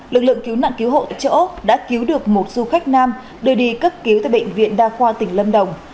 lực lượng cứu nạn cứu hộ tại chỗ đã cứu được một du khách nam đưa đi cấp cứu tại bệnh viện đa khoa tỉnh lâm đồng